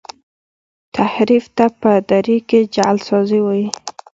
تحریف ته په دري کي جعل سازی وايي.